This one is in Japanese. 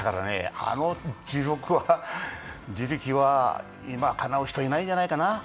あの地力は今かなう人いないんじゃないかな。